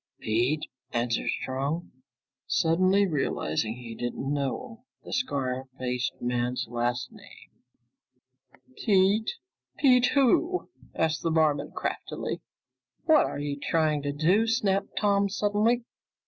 "Pete," answered Strong, suddenly realizing he didn't know the scar faced man's last name. "Pete? Pete who?" asked the barman craftily. "What are you trying to do?" snapped Tom suddenly.